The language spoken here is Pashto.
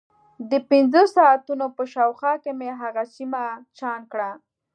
د پنځه ساعتونو په شاوخوا کې مې هغه سیمه چاڼ کړه.